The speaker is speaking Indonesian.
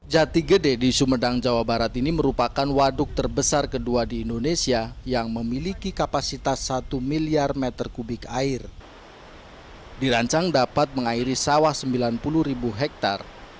jatigede di sumedang jawa barat dirancang dapat mengairi sawah sembilan puluh hektare